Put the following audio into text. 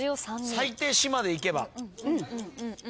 最低「し」までいけば。